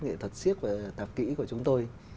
nghệ thuật siếc và tạp kỹ của chúng tôi